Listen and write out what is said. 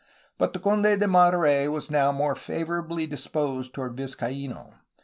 But the Conde de Monterey was now more favorably disposed toward Vizcaino.